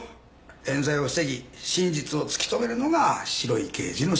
冤罪を防ぎ真実を突き止めるのが白い刑事の仕事です。